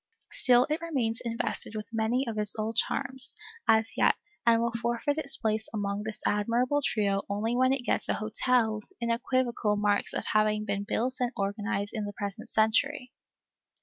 Still it remains invested with many of its old charms, as yet, and will forfeit its place among this admirable trio only when it gets a hotel with unequivocal marks of having been built and organized in the present century.